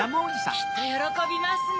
きっとよろこびますね。